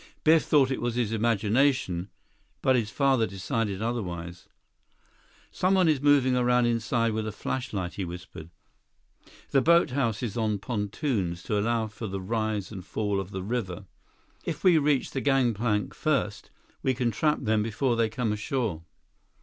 Biff thought it was his imagination, but his father decided otherwise. "Someone is moving around inside with a flashlight," he whispered. "The boathouse is on pontoons to allow for the rise and fall of the river. If we reach the gangplank first, we can trap them before they come ashore."